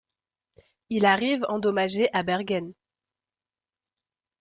Il arrive endommagé à Bergen.